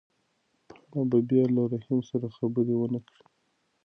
پاڼه به بیا له رحیم سره خبرې ونه کړي.